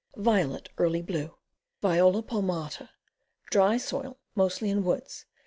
Violet, Early Blue. Viola palmata. Dry soil, mostly in woods.